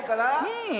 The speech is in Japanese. うん。